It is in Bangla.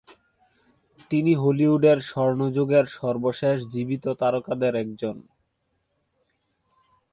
তিনি হলিউডের স্বর্ণযুগের সর্বশেষ জীবিত তারকাদের একজন।